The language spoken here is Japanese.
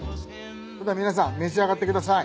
それでは皆さん召し上がってください。